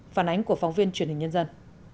phản ánh của phóng viên truyền hình nhân dân